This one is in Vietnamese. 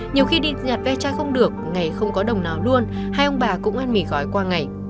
nhiều khi đi nhặt ve chai không được ngày không có đồng nào luôn hai ông bà cũng ăn mỉ gói qua ngày